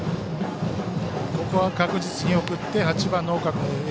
ここは確実に送って８番の大川君へ。